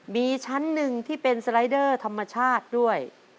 มีชั้นหนึ่งที่เป็นสไลเดอร์ธรรมชาติด้วย